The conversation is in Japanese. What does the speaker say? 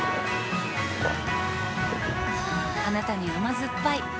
あなたに甘酸っぱい。